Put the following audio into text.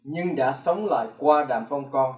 nhưng đã sống lại qua đạm phong con